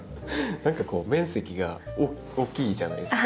何かこう面積が大きいじゃないですか。